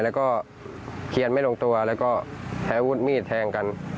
แล้วก็เคียนไม่ลงตัวแล้วก็ใช้อาวุธมีดแทงกัน